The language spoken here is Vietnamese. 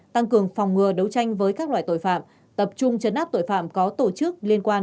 tăng cường phòng ngừa đấu tranh với các loại tội phạm tập trung chấn áp tội phạm có tổ chức liên quan